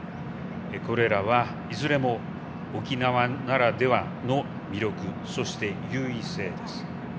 これらは、いずれも沖縄ならではの魅力そして、優位性です。